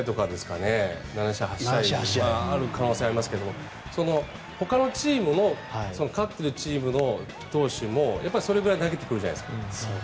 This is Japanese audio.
７試合８試合はある可能性ありますがほかのチームも勝っているチームの投手もそれぐらい投げてくるじゃないですか。